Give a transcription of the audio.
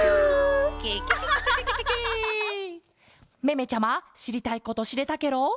めめちゃましりたいことしれたケロ？